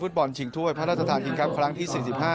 บอลชิงถ้วยพระราชทานคิงครับครั้งที่๔๕